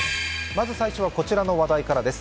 まず最初はこちらの話題からです。